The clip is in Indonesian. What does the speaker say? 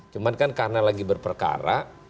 cuma kan karena lagi berperkara